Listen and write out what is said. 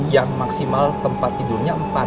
yang maksimal tempat tidurnya empat